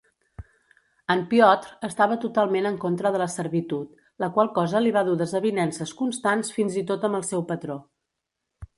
En Piotr estava totalment en contra de la servitud, la qual cosa li va dur desavinences constants fins i tot amb el seu patró.